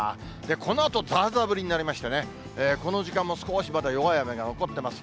このあと、ざーざー降りになりましてね、この時間も少しまだ弱い雨が残ってます。